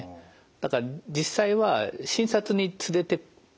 だから実際は診察に連れていく。